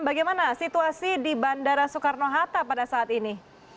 bagaimana situasi di bandara soekarno hatta pada saat ini